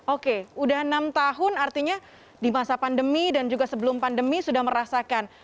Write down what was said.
oke sudah enam tahun artinya di masa pandemi dan juga sebelum pandemi sudah merasakan